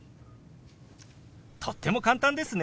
とっても簡単ですね。